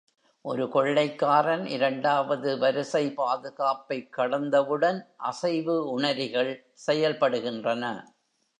ஒரு கொள்ளைக்காரன் இரண்டாவது வரிசை பாதுகாப்பைக் கடந்தவுடன், அசைவு உணரிகள் செயல்படுகின்றன.